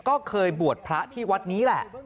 ก็เคยบวชพระที่วัดนี้แหละ